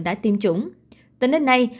đã tiêm chủng từ nơi này